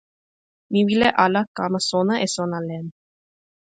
mi wile ala kama sona e sona len.